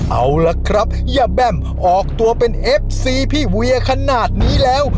เอาล่ะครับย่าแบ้มออกตัวเป็นเอฟซีพี่เวียขนาดนี้แล้ว